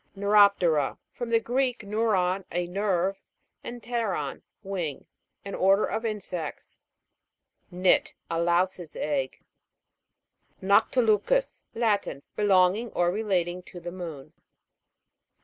NEUROP'TERA. From the Greek, neuron, a nerve, and pteron, wing. An order of insects. NIT. A louse's egg. NOCTILU'CUS. Latin. Belonging or relating to the moon.